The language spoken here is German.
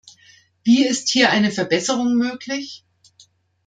Wie ist hier eine Verbesserung möglich?